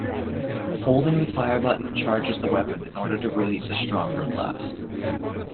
Holding the fire button charges the weapon in order to release a stronger blast.